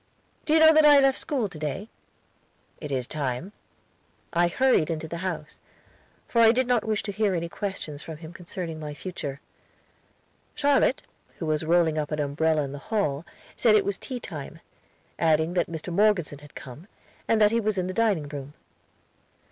"Do you know that I left school to day?" "It is time." I hurried into the house, for I did not wish to hear any questions from him concerning my future. Charlotte, who was rolling up an umbrella in the hall, said it was tea time, adding that Mr. Morgeson had come, and that he was in the dining room.